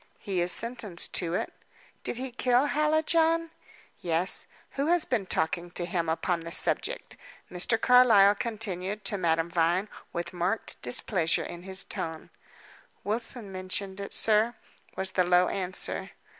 "He is sentenced to it." "Did he kill Hallijohn?" "Yes. Who has been talking to him upon the subject?" Mr. Carlyle continued to Madame Vine, with marked displeasure in his tone. "Wilson mentioned it, sir," was the low answer.